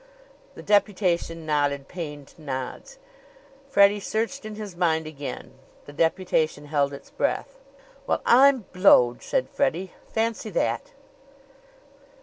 The deputation nodded pained nods. Freddie searched in his mind again. The deputation held its breath. "Well, I'm blowed!" said Freddie. "Fancy that!"